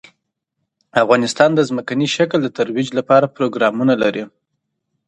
افغانستان د ځمکنی شکل د ترویج لپاره پروګرامونه لري.